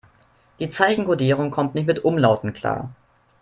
Die Zeichenkodierung kommt nicht mit Umlauten klar.